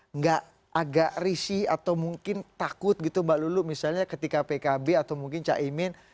nggak agak risih atau mungkin takut gitu mbak lulu misalnya ketika pkb atau mungkin caimin